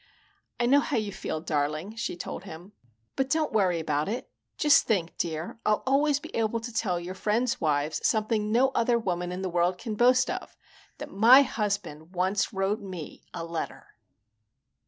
"I know how you feel, darling," she told him. "But don't worry about it. Just think, dear, I'll always be able to tell your friends' wives something no other woman in the world can boast of: that my husband once wrote me a letter!"